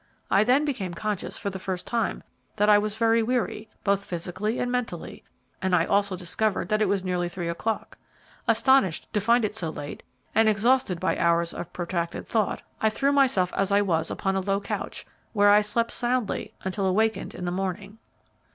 I then became conscious, for the first time, that I was very weary, both physically and mentally, and I also discovered that it was nearly three o'clock. Astonished to find it so late, and exhausted by hours of protracted thought, I threw myself as I was upon a low couch, where I slept soundly until awakened in the morning."